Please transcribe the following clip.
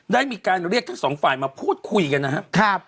ได้มีการเรียกทั้งสองฝ่ายมาพูดคุยกันนะครับ